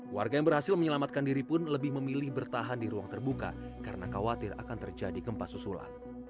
warga yang berhasil menyelamatkan diri pun lebih memilih bertahan di ruang terbuka karena khawatir akan terjadi gempa susulan